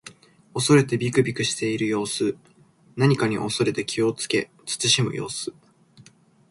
恐れてびくびくしている様子。何かに恐れて気をつけ慎む様子。